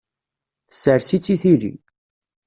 Tessers-itt i tili.